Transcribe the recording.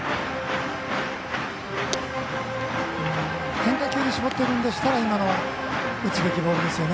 変化球に絞っているんでしたら今のは打つべきボールですよね。